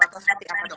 terus nanti apa dong